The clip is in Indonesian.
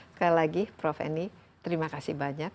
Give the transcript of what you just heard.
sekali lagi prof eni terima kasih banyak